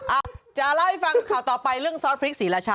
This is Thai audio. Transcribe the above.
อ่ะจะเล่าให้ฟังข่าวต่อไปเรื่องซอสพริกศรีราชา